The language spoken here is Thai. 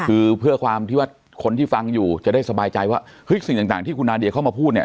คือเพื่อความที่ว่าคนที่ฟังอยู่จะได้สบายใจว่าเฮ้ยสิ่งต่างที่คุณนาเดียเข้ามาพูดเนี่ย